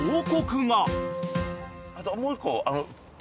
あともう１個。